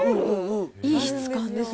いい質感ですね。